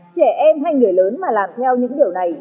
trẻ em hay người lớn mà làm theo những điều này